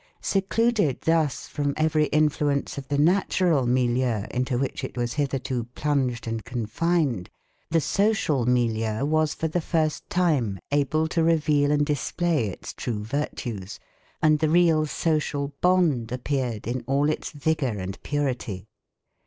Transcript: Secluded thus from every influence of the natural milieu into which it was hitherto plunged and confined, the social milieu was for the first time able to reveal and display its true virtues, and the real social bond appeared in all its vigour and purity.